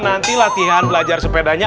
nanti latihan belajar sepedanya